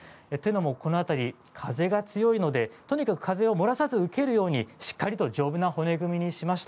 この辺り、風が強いのでとにかく風を漏らさず受けるようにしっかりと丈夫な骨組みにしました。